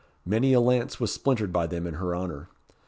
Many a lance was splintered by them in her honour.